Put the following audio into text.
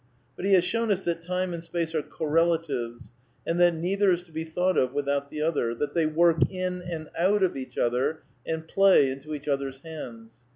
But he has shown us that time and space are correla tives, and that neither is to be thought of without the other, that they work in and out of each other and play into each other's hands.